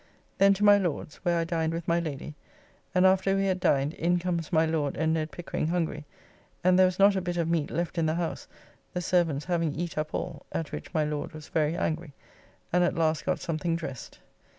Then to my Lord's, where I dined with my Lady, and after we had dined in comes my Lord and Ned Pickering hungry, and there was not a bit of meat left in the house, the servants having eat up all, at which my Lord was very angry, and at last got something dressed.